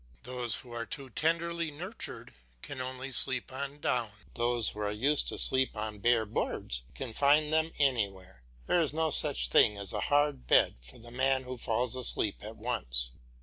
Those who are too tenderly nurtured can only sleep on down; those who are used to sleep on bare boards can find them anywhere. There is no such thing as a hard bed for the man who falls asleep at once.